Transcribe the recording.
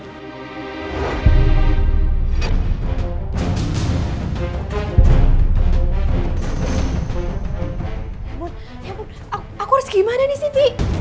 ya ampun aku harus gimana nih siti